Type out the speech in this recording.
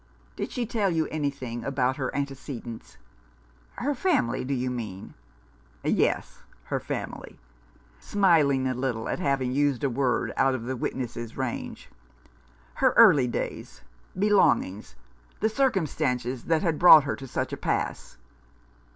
" Did she tell you anything about her ante cedents ?"" Her family, do you mean ?"" Yes, her family "—smiling a little at having used a word out of the witness's range. " Her early days — belongings — the circumstances that had brought her to such a pass